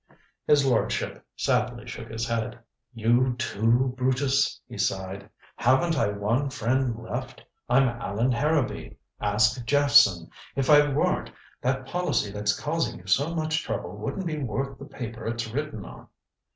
His lordship sadly shook his head. "You, too, Brutus," he sighed. "Haven't I one friend left? I'm Allan Harrowby. Ask Jephson. If I weren't, that policy that's causing you so much trouble wouldn't be worth the paper it's written on."